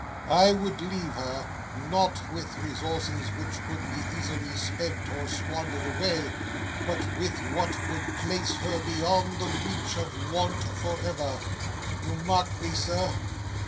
I would leave her not with resources which could be easily spent or squandered away, but with what would place her beyond the reach of want for ever. You mark me sir?